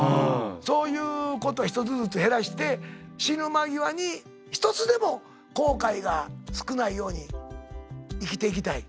そういうこと一つずつ減らして死ぬ間際に一つでも後悔が少ないように生きていきたい。